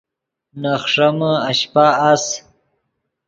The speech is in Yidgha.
نے خݰیمے اشپہ اَس